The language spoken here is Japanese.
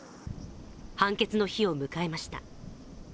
判決の日を迎えました。